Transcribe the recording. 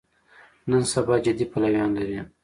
نن سبا جدي پلویان لري.